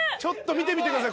見てみてください。